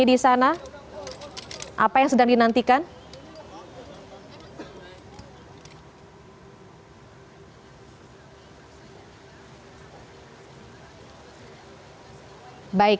dan juga kpu